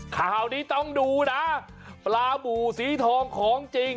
ข่าวนี้ต้องดูนะปลาบูสีทองของจริง